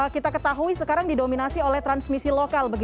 kita ketahui sekarang didominasi oleh transmisi lokal